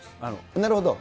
なるほど。